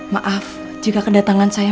maaf jika kedatangan saya